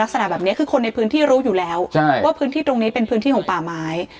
ลักษณะแบบนี้คือคนในพื้นที่รู้อยู่แล้วว่าพื้นที่ตรงนี้เป็นพื้นที่ของป่าไม้